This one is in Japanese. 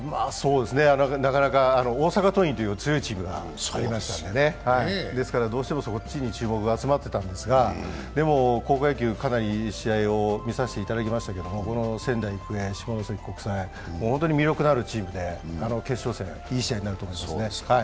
なかなか、大阪桐蔭という強いチームがありましたから、ですから、どうしてもそっちに注目が集まっていたんですが、でも高校野球かなりいい試合を見させていただきましたけれども、仙台育英、下関国際、本当に魅力のあるチームで決勝戦、いい試合になると思いますね。